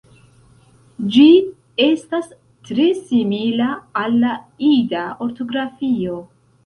Ĝi estas tre simila al la Ida ortografio.